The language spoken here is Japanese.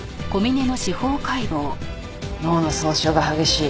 脳の損傷が激しい。